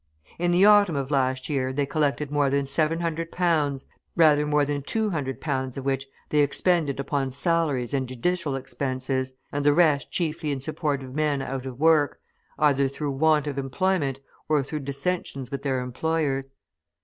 In the autumn of last year they collected more than 700 pounds, rather more than 200 pounds of which they expended upon salaries and judicial expenses, and the rest chiefly in support of men out of work, either through want of employment or through dissensions with their employers.